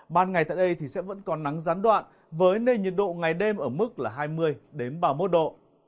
ban ngày tại đây sẽ vẫn có nắng gián đoạn với nơi nhiệt độ ngày đêm ở mức là hai mươi ba mươi một độ